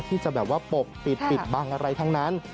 ที่จะแบบว่าปกปิดปิดบังอะไรทั้งนั้น